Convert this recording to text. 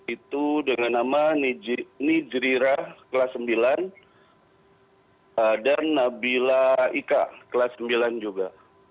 itu dengan nama nijrirah kelas sembilan dan nabila ika kelas sembilan juga